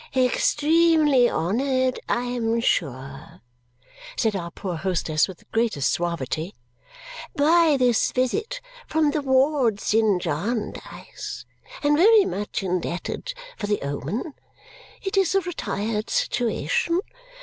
"Extremely honoured, I am sure," said our poor hostess with the greatest suavity, "by this visit from the wards in Jarndyce. And very much indebted for the omen. It is a retired situation.